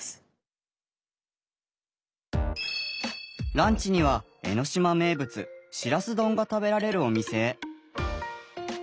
ランチには江の島名物しらす丼が食べられるお店へ。